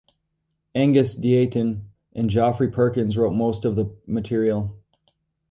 Angus Deayton and Geoffrey Perkins wrote most of the material.